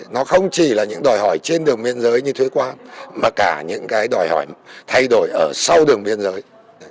nó không chỉ là những đòi hỏi trên đường biên giới như thuế quan mà cả những cái đòi hỏi thay đổi ở sau đường biên giới